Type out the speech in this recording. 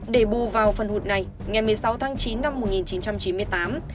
để bù vào phần hụt này ngày một mươi sáu tháng chín năm một nghìn chín trăm chín mươi tám